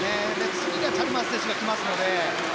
次がチャルマース選手が来ますので。